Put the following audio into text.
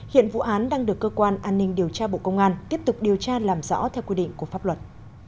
hiện vụ án đang được cơ quan an ninh điều tra bộ công an tiếp tục điều tra làm rõ theo quy định của pháp luật